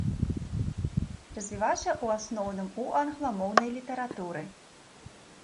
Развіваўся ў асноўным у англамоўнай літаратуры.